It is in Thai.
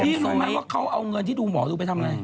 รู้ไหมว่าเขาเอาเงินที่ดูหมอดูไปทำอะไร